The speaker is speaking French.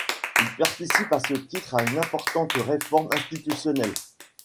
Il participe à ce titre à une importante réforme institutionnelle.